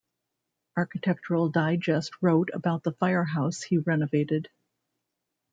Architectural Digest wrote about the firehouse he renovated.